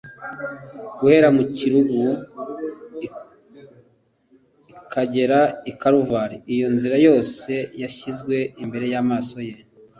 Guhera mu kirugu ukagera i Karuvali, iyo nzira yose yashyizwe imbere y'amaso ye.